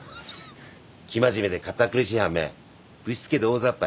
生真面目で堅苦しい半面ぶしつけで大ざっぱ。